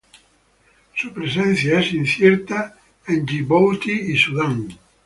Su presencia es incierta en Djibouti y Sudán.